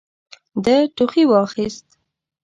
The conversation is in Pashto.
ده ټوخي واخيست.